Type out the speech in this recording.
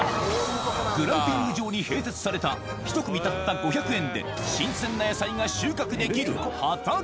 グランピング場に併設された１組たった５００円で新鮮な野菜が収穫できる畑。